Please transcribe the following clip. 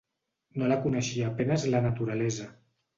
No la coneixia a penes la naturalesa.